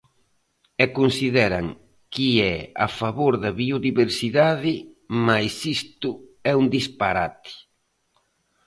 E consideran que é a favor da biodiversidade, mais isto é un disparate.